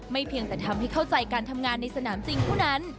เพียงแต่ทำให้เข้าใจการทำงานในสนามจริงเท่านั้น